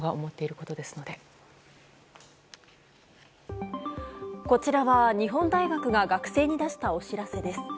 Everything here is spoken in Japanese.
こちらは日本大学が学生に出したお知らせです。